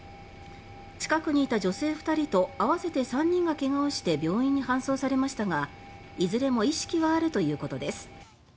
近くにいた女性２人と合わせて３人がけがをして病院に搬送されましたがいずれも意識はあるということです。